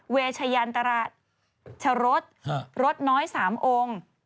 เวชญันตรัสชะรดรดน้อย๓องค์